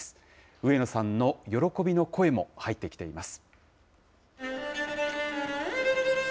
上野さんの喜びの声も入ってきています。